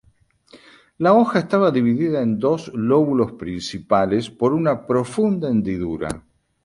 La hoja estaba dividida en dos lóbulos principales por una profunda hendidura.